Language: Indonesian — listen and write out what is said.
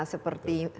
seperti sedang membuat